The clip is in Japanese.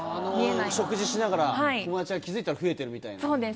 食事しながら、友達が気付いたら増えてるみたいな？